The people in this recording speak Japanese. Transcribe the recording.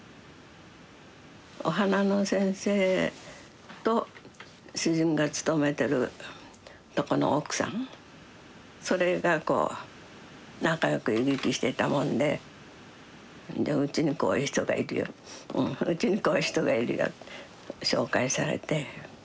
お花の先生と主人が勤めてるとこの奥さんそれがこう仲良く行き来してたもんででうちにこういう人がいるようちにこういう人がいるよ紹介されて。